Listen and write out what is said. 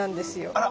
あら。